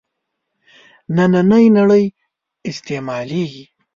نننۍ نړۍ استعمالېږي.